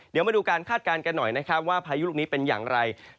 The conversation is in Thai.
เดี๋ยวมาดูการคาดการณ์กันหน่อยนะครับว่าพายุลูกนี้เป็นอย่างไร